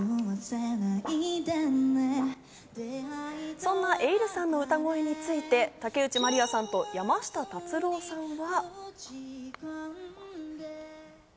そんなｅｉｌｌさんの歌声について、竹内まりやさんと山下達郎さんは。